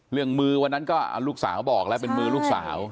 มือวันนั้นก็ลูกสาวบอกแล้วเป็นมือลูกสาว